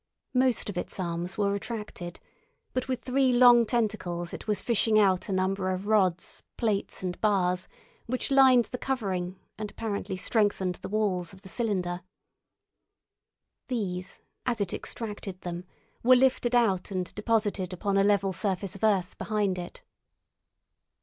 Most of its arms were retracted, but with three long tentacles it was fishing out a number of rods, plates, and bars which lined the covering and apparently strengthened the walls of the cylinder. These, as it extracted them, were lifted out and deposited upon a level surface of earth behind it.